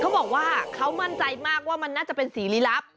เขาบอกว่าเขามั่นใจมากว่ามันน่าจะเป็นสีลี้ลับ